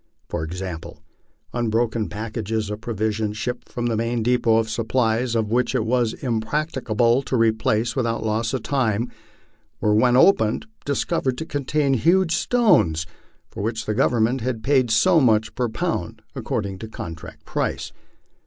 For example, unbroken packages of provisions shipped from the main depot of supplies, and which it was impracticable to replace without loss of time, were when opened discovered to contain huge stones for which the Government had paid so much per pound according to contract price.